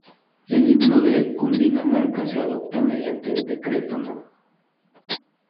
El Himno de Cundinamarca se adopta mediante Decreto No.